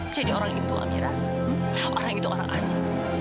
jadi orang itu amirah orang itu orang asli